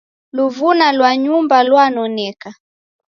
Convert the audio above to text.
Luvuna lwa nyumba lwanoneka